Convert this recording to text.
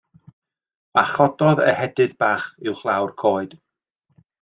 A chododd ehedydd bach uwchlaw'r coed.